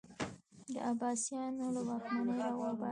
د عباسیانو له واکمني راوباسي